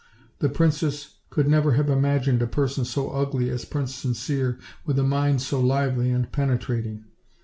The princess could never have imagined a person so ugly as Prince Sincere with a mind so lively and penetrating.